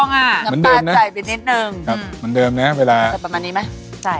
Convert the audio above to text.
น้ำตาลใส่ไปนิดนึงครับเหมือนเดิมนะเวลาใส่ประมาณนี้ไหมใส่